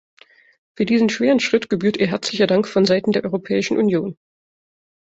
Für diesen schweren Schritt gebührt ihr herzlicher Dank vonseiten der Europäischen Union.